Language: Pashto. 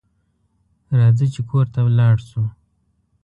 راځه چې کور ته لاړ شو